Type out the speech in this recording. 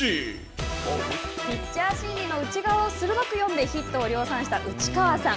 ピッチャー心理の内側を鋭く読んでヒットを量産した内川さん。